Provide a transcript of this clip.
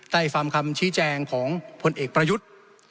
ได้ฟังคำชี้แจงของพลเอกประยุทธ์